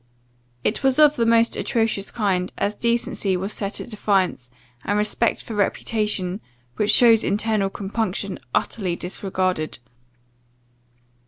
It was of the most atrocious kind, as decency was set at defiance, and respect for reputation, which shows internal compunction, utterly disregarded."